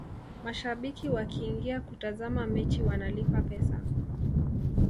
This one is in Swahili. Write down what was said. mashabiki wakiingia kutazama mechi wanalipa pesa